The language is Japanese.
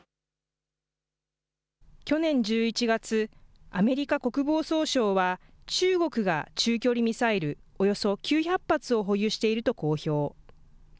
去年１１月、アメリカ国防総省は、中国が中距離ミサイルおよそ９００発を保有していると公表。